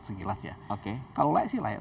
kalau layak sih layak